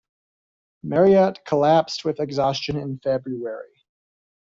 Marriott collapsed with exhaustion in February.